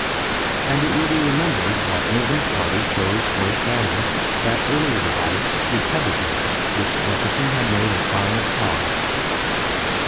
And it will be remembered that Lincoln's party chose for its banner that earlier device Republican which Jefferson had made a sign of power.